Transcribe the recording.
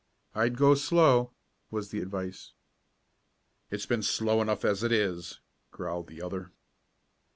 "I'd go slow," was the advice. "It's been slow enough as it is," growled the other.